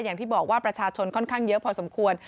อย่างที่บอกว่าประชาชนค่อนข้างเยอะพอสมควร